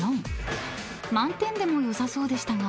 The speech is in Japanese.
［満点でもよさそうでしたが］